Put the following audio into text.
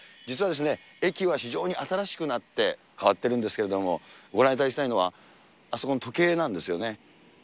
実は、駅は非常に新しくなって、変わってるんですけれども、ご覧いただきたいのは、あそこの時計なんですよね。